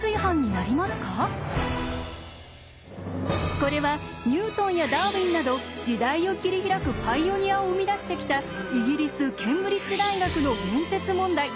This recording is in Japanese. こちらはこれはニュートンやダーウィンなど時代を切り開くパイオニアを生み出してきたイギリス・ケンブリッジ大学の面接問題。